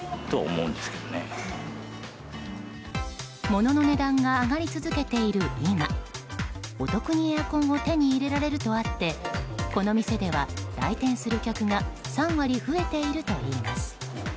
物の値段が上がり続けている今お得に、エアコンを手に入れられるとあってこの店では、来店する客が３割増えているといいます。